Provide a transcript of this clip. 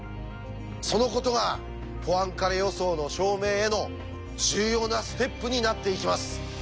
そのことがポアンカレ予想の証明への重要なステップになっていきます。